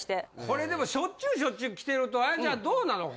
これでもしょっちゅうしょっちゅう来てると綾菜ちゃんはどうなの？